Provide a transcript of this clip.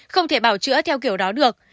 không thể bào chữa theo kiểu đó được